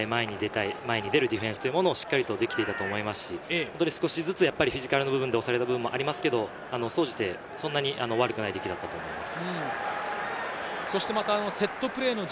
前に出たい、前に出るディフェンスというのをしっかりできていたと思いますし、少しずつフィジカルの部分で総じてそんなに悪くない出来だったと思います。